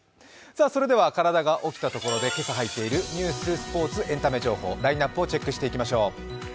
それでは体が起きたところで、今朝入っているニュース、スポーツ、エンタメ情報、ラインナップをチェックしていきましょう。